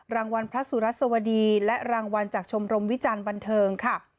รางวัลพระสุรัสวดีและรางวัลจากชมรมวิจารณ์บันเทิงค่ะ